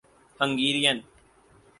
Hungarian